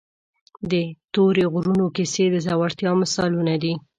د تورې غرونو کیسې د زړورتیا مثالونه دي.